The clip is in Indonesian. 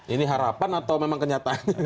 ini harapan atau memang kenyataannya